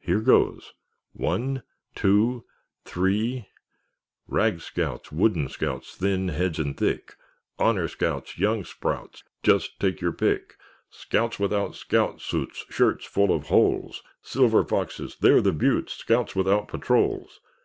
"Here goes—one—two—three! "Rag scouts, wooden scouts, Thin heads and thick, Honor scouts, young sprouts— Just take your pick. "Scouts without scout suits, Shirts full of holes, Silver Foxes—they're the beauts! Scouts without patrols.